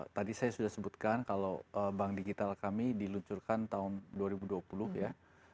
tadi saya sudah sebutkan kalau bank digital kami diluncurkan tahun dua ribu dua puluh ya